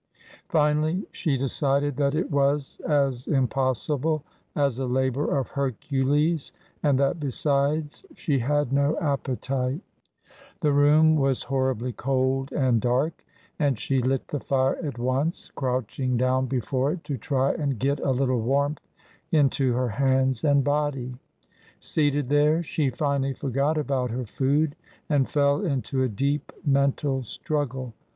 Finally she decided that it was as impossible as a labour of Hercules and that, besides, she had no appetite. 22 254 TRANSITION. The room was horribly cold and dark, and she lit the fire at once, crouching down before it to try and get a little warmth into her hands and body. Seated there, she finally forgot about her food and fell into a deep mental struggle.